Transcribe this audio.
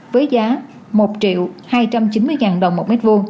với giá một hai trăm chín mươi đồng một m hai